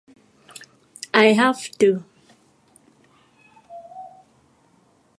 I have to!